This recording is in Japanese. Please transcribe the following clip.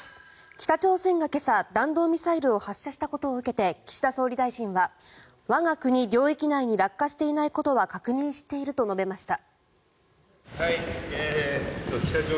北朝鮮が今朝、弾道ミサイルを発射したことを受けて岸田総理大臣は、我が国領域内に落下していないことは確認していると述べました。